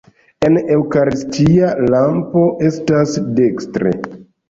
La eŭkaristia lampo estas dekstre.